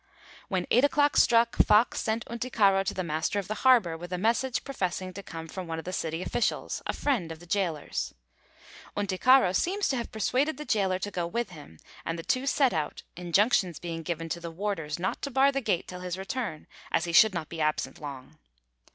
When eight o'clock struck, Fox sent Unticaro to the master of the harbour, with a message professing to come from one of the city officials, a friend of the gaolers. Unticaro seems to have persuaded the gaoler to go with him, and the two set out, injunctions being given to the warders not to bar the gate till his return, as he should not be absent long.